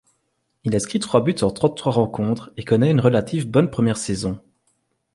Il inscrit trois buts en trente-trois rencontres et connaît une relative bonne première saison.